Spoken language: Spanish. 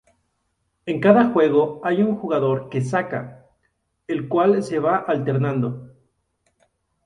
En cada juego hay un jugador que saca, el cual se va alternando.